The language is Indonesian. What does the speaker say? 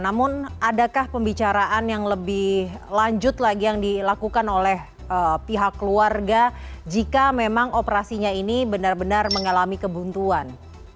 namun adakah pembicaraan yang lebih lanjut lagi yang dilakukan oleh pihak keluarga jika memang operasinya ini benar benar mengalami kebuntuan